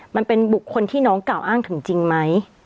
มันเป็นบุคคลที่น้องกล่าวอ้างถึงจริงไหม